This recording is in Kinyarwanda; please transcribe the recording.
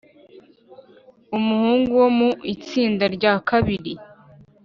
Umuhungu wo mu itsinda ryakabiri